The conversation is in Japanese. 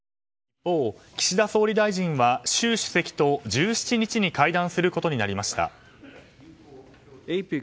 一方、岸田総理大臣は習主席と１７日に会談することになりました。